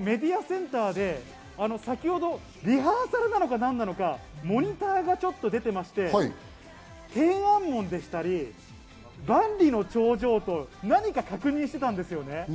メディアセンターで先ほど、リハーサルなのかなんなのか、モニターがちょっと出てまして、天安門でしたり、万里の長城と何か確認してたんですよね。